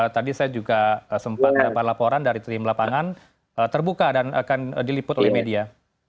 tadi saya juga sempat mendapat laporan dari tim lapangan terbuka dan akan diliput oleh media